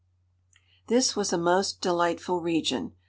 This was a most delightful region.